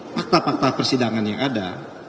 fakta fakta persidangan yang ada